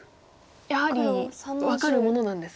やはり分かるものなんですか？